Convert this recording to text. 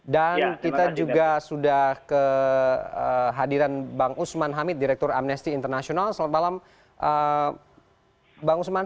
dan kita juga sudah ke hadiran bang usman hamid direktur amnesty international selamat malam bang usman